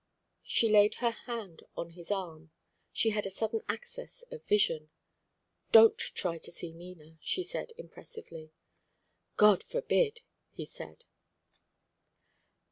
She laid her hand on his arm. She had a sudden access of vision. "Don't try to see Nina," she said, impressively. "God forbid!" he said.